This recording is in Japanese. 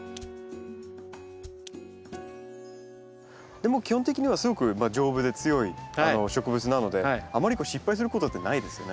でも基本的にはすごく丈夫で強い植物なのであまり失敗することってないですよね？